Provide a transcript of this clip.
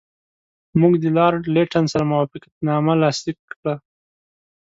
موږ له لارډ لیټن سره موافقتنامه لاسلیک کړه.